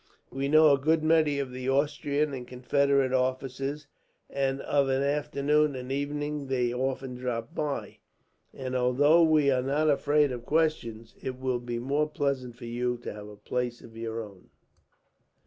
We know a good many of the Austrian and Confederate officers, and of an afternoon and evening they often drop in; and although we are not afraid of questions, it will be more pleasant for you to have a place of your own.